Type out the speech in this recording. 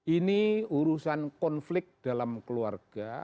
ini urusan konflik dalam keluarga